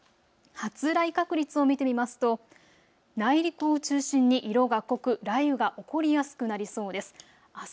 発雷確率を見てみますと内陸を中心に色が濃く雷雨が起こりやすくなりそうです。